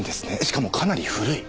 しかもかなり古い。